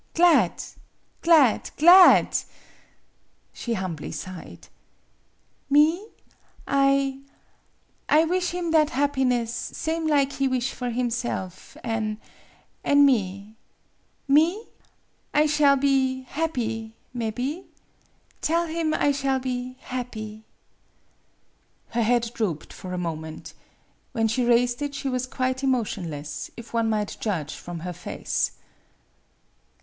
glad glad glad!" She humbly sighed. " Me ? I I wish him that happiness same lig he wish for himself an' an' me. Me? I shall be happy mebby. Tell him I shall be happy." Her head drooped for a moment. When she raised it she was quite emotionless, if one might judge from her face.